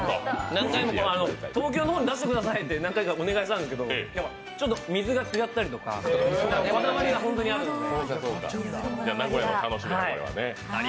何回も東京の方に出してくださいってお願いしたんですけど水が違ったりとか、こだわりが本当にあるので。